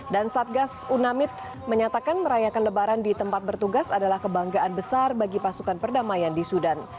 dan satgas unamid menyatakan merayakan lebaran di tempat bertugas adalah kebanggaan besar bagi pasukan perdamaian di sudan